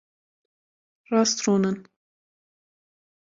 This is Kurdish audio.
Rast rûnin.